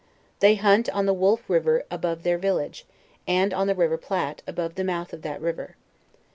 They hunt on the Wolf riv er above their village, and on the river Platte above the mouth of that river.